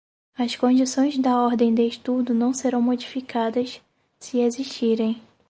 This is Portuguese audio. As condições da ordem de estudo não serão modificadas, se existirem.